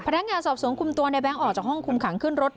พนักงานสอบสวนคุมตัวในแบงค์ออกจากห้องคุมขังขึ้นรถ